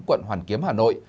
quận hoàn kiếm hà nội